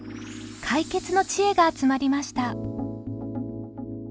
解決のチエが集まりました。